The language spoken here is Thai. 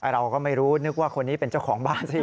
เราก็ไม่รู้นึกว่าคนนี้เป็นเจ้าของบ้านสิ